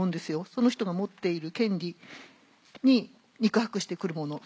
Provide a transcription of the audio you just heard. その人が持っている権利に肉薄して来るもの。